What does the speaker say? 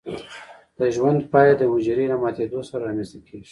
د ژوند پای د حجره له ماتیدو سره رامینځته کیږي.